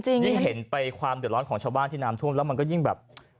ยิ่งเห็นไปความเดือดร้อนของชาวบ้านที่น้ำท่วมแล้วมันก็ยิ่งแบบ